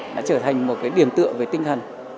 đã trở thành một điểm tựa về tinh thần